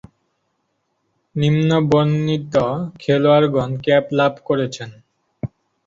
নিম্নবর্ণিত খেলোয়াড়গণ ক্যাপ লাভ করেছেন।